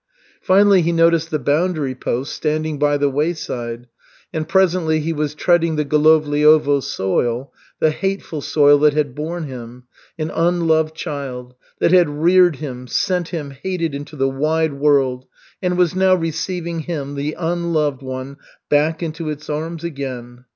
Finally, he noticed the boundary post standing by the wayside, and presently he was treading the Golovliovo soil, the hateful soil that had borne him, an unloved child, that had reared him, sent him, hated, into the wide world, and was now receiving him, the unloved one, back into its arms again.